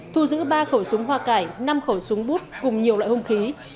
thu giữ ba khẩu súng hoa cải năm khẩu súng bút cùng nhiều loại hung khí